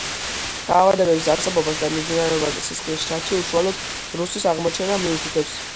დაავადების არსებობასა და მიმდინარეობაზე სისხლის შრატში უშუალოდ ვირუსის აღმოჩენა მიუთითებს.